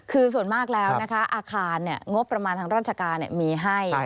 คือส่วนมากแล้วนะคะอาคารงบประมาณทางราชการมีให้